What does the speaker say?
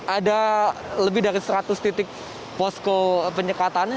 ada lebih dari seratus titik posko penyekatan